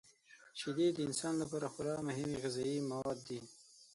شیدې د انسان لپاره خورا مهمې غذايي مواد دي.